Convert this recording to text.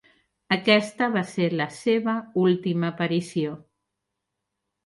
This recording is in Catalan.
Aquesta va ser la seva última aparició.